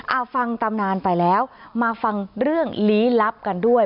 เอาฟังตำนานไปแล้วมาฟังเรื่องลี้ลับกันด้วย